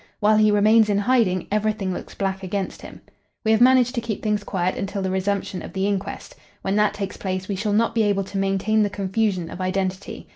While he remains in hiding everything looks black against him. We have managed to keep things quiet until the resumption of the inquest. When that takes place we shall not be able to maintain the confusion of identity.